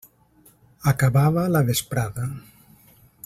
Acabava la vesprada.